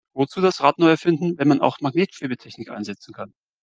Wozu das Rad neu erfinden, wenn man auch Magnetschwebetechnik einsetzen kann?